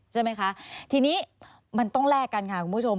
ใช่ไหมคะทีนี้มันต้องแลกกันค่ะคุณผู้ชม